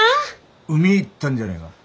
海行ったんじゃねえが？